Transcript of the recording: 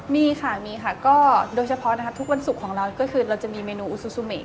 มีค่ะมีค่ะก็โดยเฉพาะนะคะทุกวันศุกร์ของเราก็คือเราจะมีเมนูอูซูซูเม